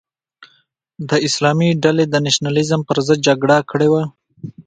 د اسلامي ډلې د نشنلیزم پر ضد جګړه کړې وه.